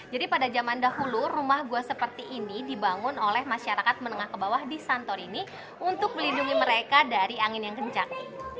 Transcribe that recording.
jadi pada zaman dahulu rumah gua seperti ini dibangun oleh masyarakat menengah ke bawah di santorini untuk melindungi mereka dari angin yang kencang